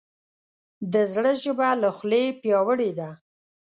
د زړه ژبه له خولې پیاوړې ده.